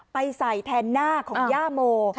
ไปใส่แทนหน้าของย่าโม